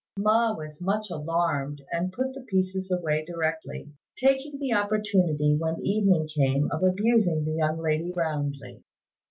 Ma was much alarmed, and put the pieces away directly; taking the opportunity when evening came of abusing the young lady roundly.